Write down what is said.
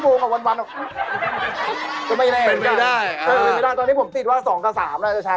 ตอนนี้ผมติดว่า๒๓อาจจะใช่